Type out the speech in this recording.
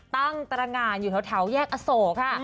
ตั้งตรงานอยู่แถวแยกอโศกค่ะ